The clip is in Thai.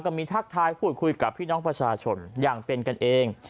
ก็พูดกับพี่น้องปัชชนยังเป็นกันเอง